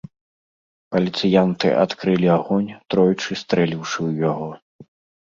Паліцыянты адкрылі агонь, тройчы стрэліўшы ў яго.